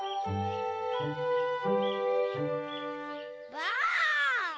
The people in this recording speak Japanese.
ばあっ！